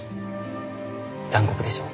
残酷でしょう？